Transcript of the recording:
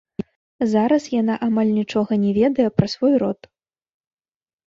Зараз яна амаль нічога не ведае пра свой род.